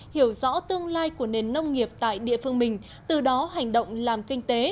hiểu rõ tương lai của nền nông nghiệp tại địa phương mình từ đó hành động làm kinh tế